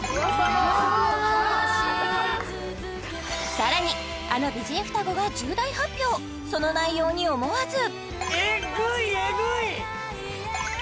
さらにあの美人双子が重大発表その内容に思わずえぐいえぐい！